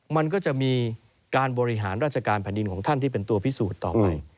มันก็จะมีการบริหารราชการแผ่นดินของท่านที่เป็นตัวพิสูจน์ต่อไป